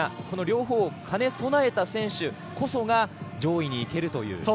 この両方を兼ね備えた選手こそが上位に行けるという。